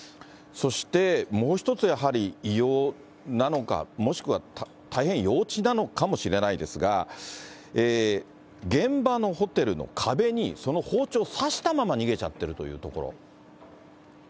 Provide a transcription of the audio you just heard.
そして、もう一つやはり異様なのか、もしくは大変幼稚なのかもしれないですが、現場のホテルの壁に、その包丁、刺したまま逃げちゃってるというところ。